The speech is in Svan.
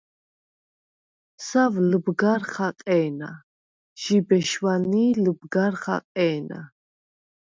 სავ ლჷბგარ ხაყე̄ნა, ჟიბე შვანი̄ ლჷბგარ ხაყე̄ნა.